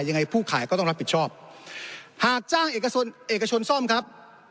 ยังไงผู้ขายก็ต้องรับผิดชอบหากจ้างเอกชนเอกชนซ่อมครับ